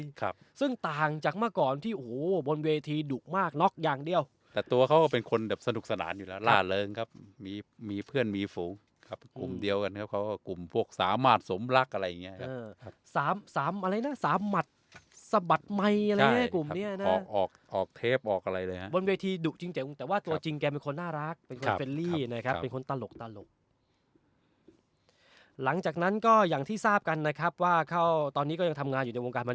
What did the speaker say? ไปเลยครับซึ่งต่างจากมาก่อนที่โอ้โหบนเวทีดุมากน็อกอย่างเดียวแต่ตัวเขาเป็นคนแบบสนุกสนานอยู่แล้วล่าเลิงครับมีมีเพื่อนมีฝูงครับกลุ่มเดียวกันครับเขาก็กลุ่มพวกสามหมาดสมรักอะไรอย่างเงี้ยครับสามสามอะไรนะสามหมัดสะบัดไหมอะไรอย่างเงี้ยกลุ่มเนี้ยนะออกออกออกเทปออกอะไรเลยฮะบนเวทีดุจริงจังแต่ว่าตัวจริงแกเป